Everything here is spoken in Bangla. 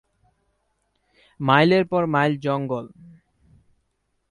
মাইলের পর মাইল জঙ্গল।